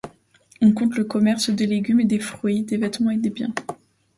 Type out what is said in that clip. On compte le commerce des légumes et fruits, des vêtements et des biens.